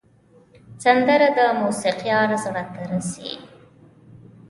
سندره د موسیقار زړه ته رسي